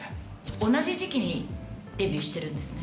同じ時期にデビューしてるんですね。